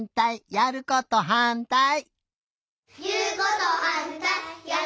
やることはんたい！